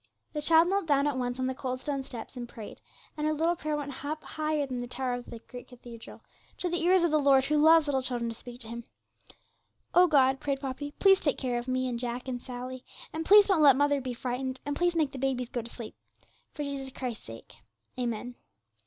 The child knelt down at once on the cold stone steps, and prayed, and her little prayer went up higher than the towers of that great cathedral to the ears of the Lord, who loves little children to speak to Him. 'O God,' prayed Poppy, 'please take care of me, and Jack, and Sally, and please don't let mother be frightened, and please make the babies go to sleep; for Jesus Christ's sake. Amen.'